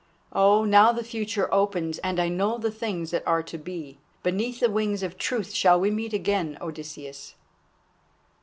Oh, now the future opens, and I know the things that are to be. Beneath the Wings of Truth shall we meet again, Odysseus."